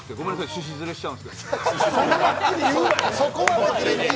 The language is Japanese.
趣旨ずれしちゃうんですけど。